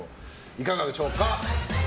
いかがでしょうか。